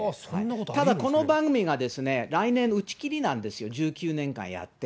ただこの番組が来年打ち切りなんですよ、１９年間やって。